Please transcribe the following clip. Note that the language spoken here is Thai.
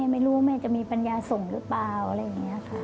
ไม่รู้ว่าแม่จะมีปัญญาส่งหรือเปล่าอะไรอย่างนี้ค่ะ